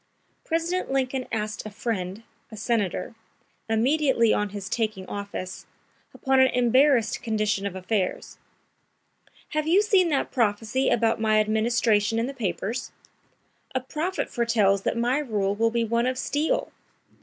President Lincoln asked a friend, a senator, immediately on his taking office, upon an embarrassed condition of affairs: "Have you seen that prophecy about my administration in the papers? A prophet foretells that my rule will be one of steel!